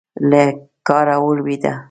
له کاره ولوېده.